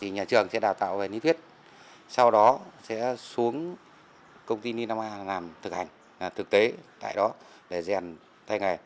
nhà trường sẽ đào tạo về lý thuyết sau đó sẽ xuống công ty ninama làm thực hành thực tế tại đó để rèn tay nghề